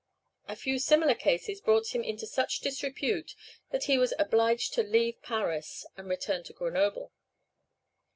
A few similar cases brought him into such disrepute that he was obliged to leave Paris, and return to Grenoble.